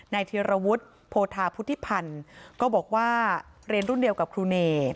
เทียรวุฒิโพธาพุทธิพันธ์ก็บอกว่าเรียนรุ่นเดียวกับครูเน